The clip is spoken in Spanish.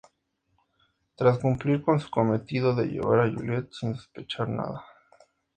Tras cumplir con su cometido de llevar a Juliette sin sospechar nada.